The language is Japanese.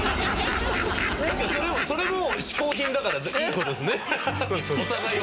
それも嗜好品だからいい事ですね。